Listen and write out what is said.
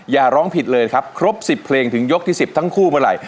อย่าร้องผิดเลยครับครบ๑๐เพลงถึงยกที่๑๐ทั้งคู่เมื่อไหร่